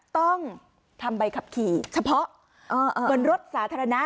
ต้องทำใบขับขี่เฉพาะเหมือนรถสาธารณะ